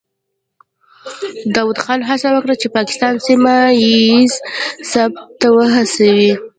داود خان هڅه وکړه چې پاکستان سیمه ییز ثبات ته وهڅوي.